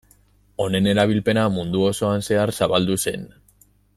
Honen erabilpena mundu osoan zehar zabaldu zen.